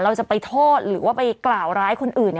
เราจะไปโทษหรือว่าไปกล่าวร้ายคนอื่น